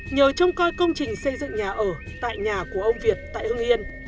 nhờ trông coi công trình xây dựng nhà ở tại nhà của ông việt tại hưng yên